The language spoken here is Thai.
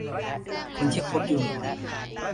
คนที่คบอยู่